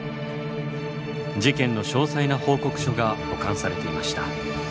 事件の詳細な報告書が保管されていました。